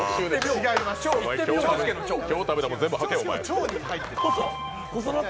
今日食べたもん全部吐け、お前。